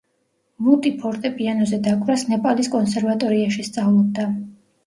მუტი ფორტეპიანოზე დაკვრას ნეპალის კონსერვატორიაში სწავლობდა.